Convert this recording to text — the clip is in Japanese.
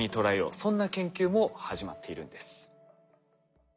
そんな研究も始まっているんです。